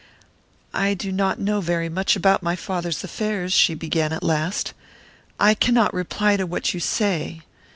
"I do not know very much about my father's affairs," she began, at last. "I cannot reply to what you say.